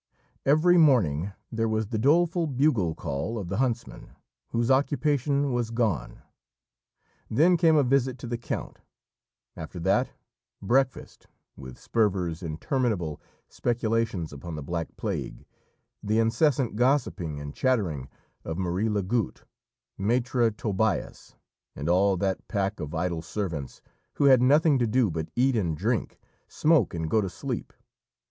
Every morning there was the doleful bugle call of the huntsman, whose occupation was gone; then came a visit to the count; after that breakfast, with Sperver's interminable speculations upon the Black Plague, the incessant gossiping and chattering of Marie Lagoutte, Maître Tobias, and all that pack of idle servants, who had nothing to do but eat and drink, smoke, and go to sleep.